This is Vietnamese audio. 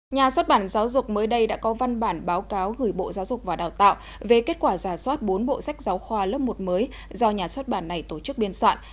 nhà xuất bản giáo dục mới đây đã có văn bản báo cáo gửi bộ giáo dục và đào tạo về kết quả giả soát bốn bộ sách giáo khoa lớp một mới do nhà xuất bản này tổ chức biên soạn